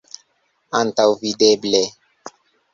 Antaŭvideble.